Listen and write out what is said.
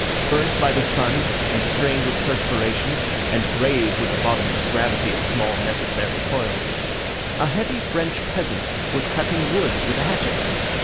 Burnt by the sun and stained with perspiration, and grave with the bottomless gravity of small necessary toils, a heavy French peasant was cutting wood with a hatchet.